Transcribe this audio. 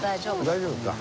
大丈夫か。